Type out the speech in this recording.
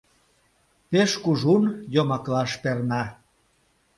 — Пеш кужун «йомаклаш» перна.